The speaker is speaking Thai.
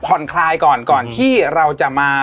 คลายก่อนก่อนที่เราจะมา